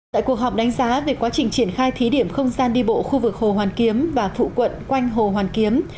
tại cuộc họp đánh giá về quá trình triển khai thí điểm không gian đi bộ khu vực hồ hoàn kiếm và phụ quận quanh hồ hoàn kiếm